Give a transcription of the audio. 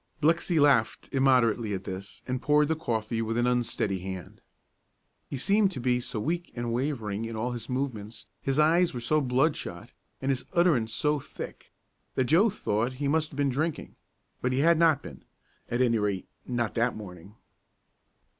Blixey laughed immoderately at this, and poured the coffee with an unsteady hand. He seemed to be so weak and wavering in all his movements, his eyes were so bloodshot, and his utterance so thick, that Joe thought he must have been drinking; but he had not been, at any rate, not that morning.